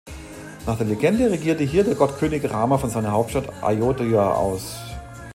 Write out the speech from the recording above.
Nach der Legende regierte hier der Gottkönig Rama von seiner Hauptstadt Ayodhya aus.